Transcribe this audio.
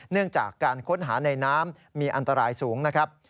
เนื่องจากการค้นหาในน้ำมีอันตรายสูงนะครับ